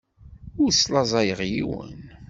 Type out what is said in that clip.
Ur slaẓayeɣ yiwen.